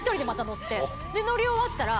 乗り終わったら。